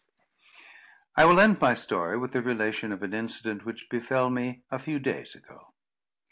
I will end my story with the relation of an incident which befell me a few days ago.